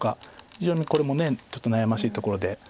非常にこれもちょっと悩ましいところで。